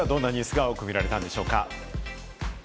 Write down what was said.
続いてネットではどんなニュースが多く見られたんでしょうか？